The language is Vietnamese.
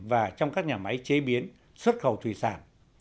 và trong các nhà máy chế biến xuất khẩu thủy sản